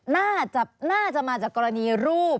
น่าจะมาจากกรณีรูป